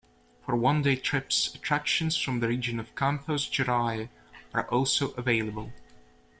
For one day trips, attractions from the region of Campos Gerais are also available.